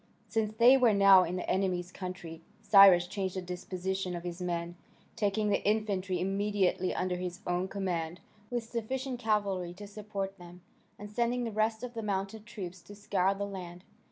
Since they were now in the enemy's country Cyrus changed the disposition of his men, taking the infantry immediately under his own command, with sufficient cavalry to support them, and sending the rest of the mounted troops to scour the land.